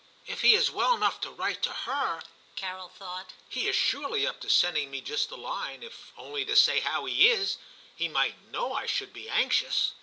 * If he is well enough to write to her/ Carol thought, *he is surely up to sending me just a line, if only to say how he is ; he might know I should be anxious.'